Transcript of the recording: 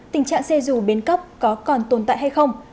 tình trạng xe dù bến cóc có còn tồn tại hay không